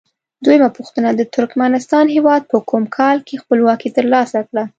دویمه پوښتنه: د ترکمنستان هیواد په کوم کال کې خپلواکي تر لاسه کړه؟